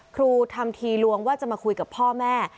ครูทำทีลวงว่าจะมาคุยกับพ่อแม่